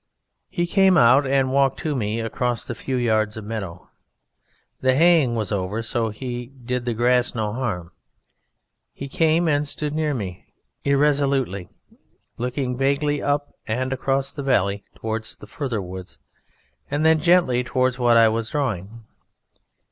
He came out and walked to me across the few yards of meadow. The haying was over, so he did the grass no harm. He came and stood near me, irresolutely, looking vaguely up and across the valley towards the further woods, and then gently towards what I was drawing.